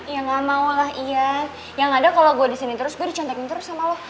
ya gak mau lah ian yang ada kalau gue disini terus gue dicontekin terus sama lo